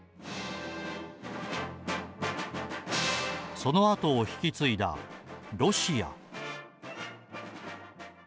そのあとを引き継いだ、ロシア。